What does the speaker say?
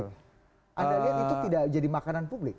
anda lihat itu tidak jadi makanan publik